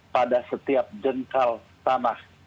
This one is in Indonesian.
pada setiap jengkal tanah